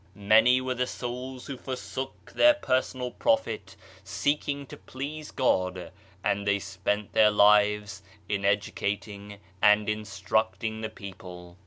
Many were the souls who forsook their personal profit, seeking to please God, and they spent their lives in educating and instructing the people.